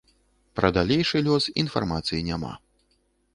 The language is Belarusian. Пра далейшы лёс інфармацыі няма.